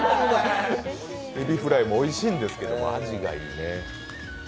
エビフライもおいしいんですけどあじもいいですよね。